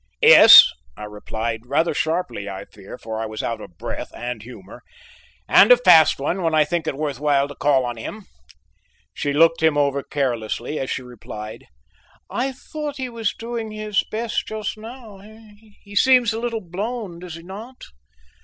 "Yes," I replied, rather sharply I fear, for I was out of breath and humor, "and a fast one when I think it worth while to call on him." She looked him over carelessly as she replied: "I thought he was doing his best just now; he seems a little blown, does he not?"